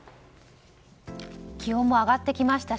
気温も上がってきました